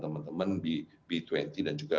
teman teman di b dua puluh dan juga